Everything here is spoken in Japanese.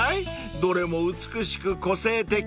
［どれも美しく個性的］